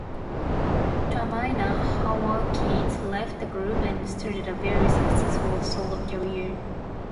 Tramaine Hawkins left the group and started a very successful solo career.